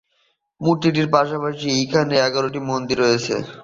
মূর্তিটির পাশাপাশি এখানে এগারোটি মন্দির রয়েছে।